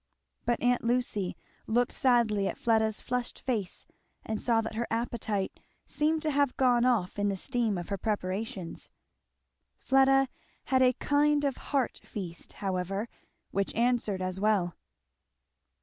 But aunt Lucy looked sadly at Fleda's flushed face and saw that her appetite seemed to have gone off in the steam of her preparations. Fleda had a kind of heart feast however which answered as well.